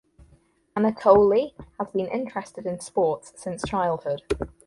Anatoliy has been interested in sports since childhood.